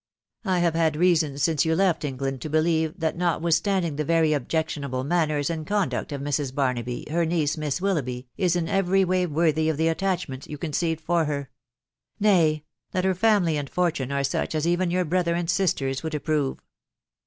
I have had reason, since you left England, to believe, that notwithstanding the very objectionable manners and con duct of Mrs. Barnaby, her niece, Miss Willoughby, is in every way worthy of the attachment you conceived for her ; nay, that her family and fortune are such as even your brother and sisters would approve.